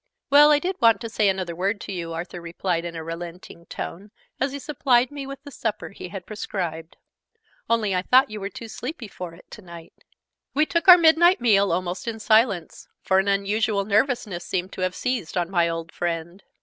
"Well, I did want to say another word to you," Arthur replied in a relenting tone, as he supplied me with the supper he had prescribed. "Only I thought you were too sleepy for it to night." We took our midnight meal almost in silence; for an unusual nervousness seemed to have seized on my old friend.